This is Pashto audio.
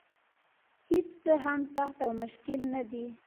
هېڅ څه هم سخت او مشکل نه دي.